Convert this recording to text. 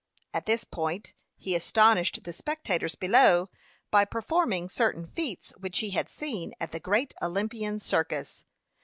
At this point he astonished the spectators below by performing certain feats which he had seen at the Great Olympian Circus.